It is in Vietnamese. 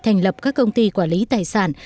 thành lập các công ty quản lý tài sản